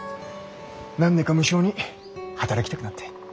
何でか無性に働きたくなって。